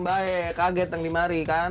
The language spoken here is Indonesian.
baik kaget yang dimari kan